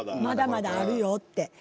まだまだあるよって。